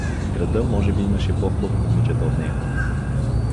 В града може би имаше по-хубави момичета от нея.